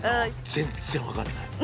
全然分かんない。